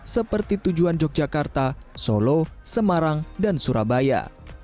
seperti tujuan yogyakarta solo semarang dan surabaya